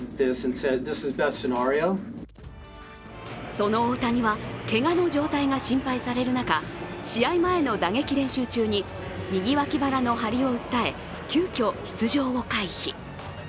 その大谷はけがの状態が心配される中、試合前の打撃練習中に右脇腹の張りを訴え急きょ、出場を回避。